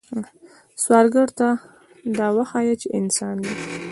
سوالګر ته دا وښایه چې انسان دی